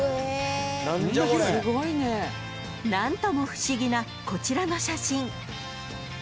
［何とも不思議なこちらの写真］